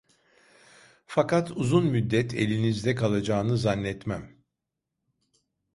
Fakat uzun müddet elinizde kalacağını zannetmem.